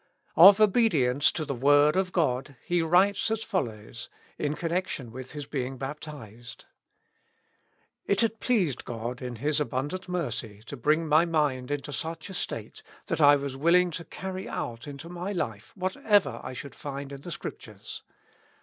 Of obedience to the word of God, he write as follows, in con nection with his being baptized :— "It had pleased God, in His abundant mercy, to bring my mind into such a state, that I was wilhng to carry out into my life whatever I should find in the Scriptures.